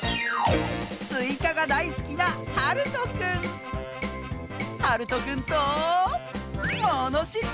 すいかがだいすきなはるとくんとものしりとり！